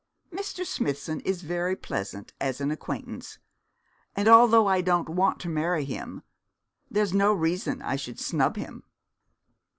Mr. Smithson is very pleasant as an acquaintance; and although I don't want to marry him, there's no reason I should snub him.'